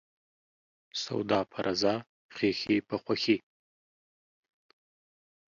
سوداپه رضا ، خيښي په خوښي.